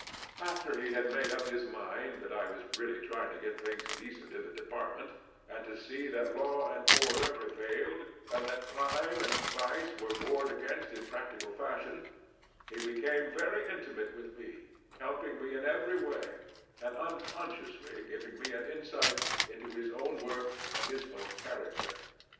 After he had made up his mind that I was really trying to get things decent in the department, and to see that law and order prevailed, and that crime and vice were warred against in practical fashion, he became very intimate with me, helping me in every way, and tmconsciously giviag me an in sight into his own work and his own character.